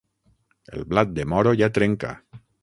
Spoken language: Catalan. El blat de moro ja trenca.